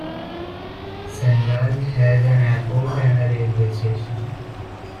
Sindal has an airport and a railway station.